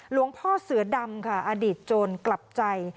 พ่อเสือดำค่ะอดีตโจรกลับใจ